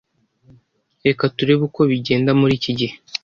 Reka turebe uko bigenda muriki gihe.